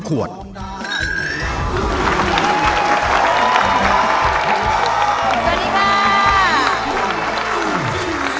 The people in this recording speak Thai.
สวัสดีค่ะ